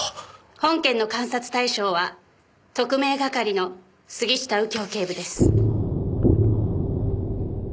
本件の監察対象は特命係の杉下右京警部です。